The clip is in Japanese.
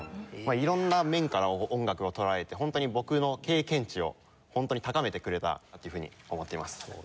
色んな面から音楽を捉えてホントに僕の経験値をホントに高めてくれたっていうふうに思っています。